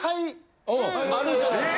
あるじゃないですか。